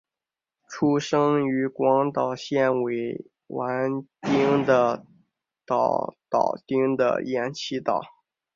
出生于广岛县尾丸町的岛岛町的岩崎岛。